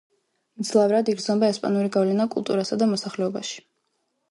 მძლავრად იგრძნობა ესპანური გავლენა კულტურასა და მოსახლეობაში.